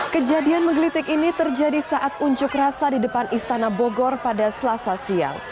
kejadian menggelitik ini terjadi saat unjuk rasa di depan istana bogor pada selasa siang